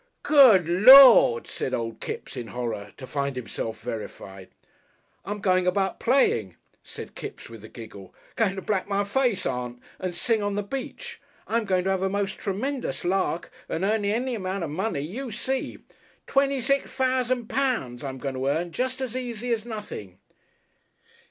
"Goo Lord!" said Old Kipps, in horror to find himself verified. "I'm going about playing!" said Kipps with a giggle. "Goin' to black my face, Aunt, and sing on the beach. I'm going to 'ave a most tremenjous lark and earn any amount of money you see. Twenty six fousand pounds I'm going to earn just as easy as nothing!"